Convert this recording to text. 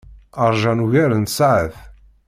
Ṛjan ugar n tsaɛet.